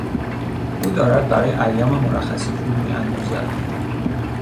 او دارد برای ایام مرخصی پول میاندوزد.